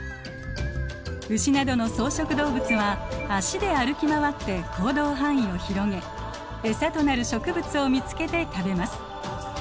ウシなどの草食動物は脚で歩き回って行動範囲を広げエサとなる植物を見つけて食べます。